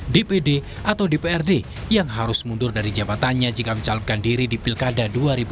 dpd atau dprd yang harus mundur dari jabatannya jika mencalonkan diri di pilkada dua ribu dua puluh